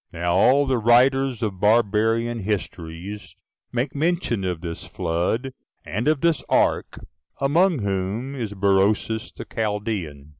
6. Now all the writers of barbarian histories make mention of this flood, and of this ark; among whom is Berosus the Chaldean.